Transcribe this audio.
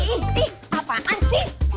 ih apaan sih